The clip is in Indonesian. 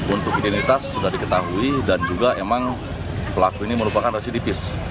untuk identitas sudah diketahui dan juga emang pelaku ini merupakan residipis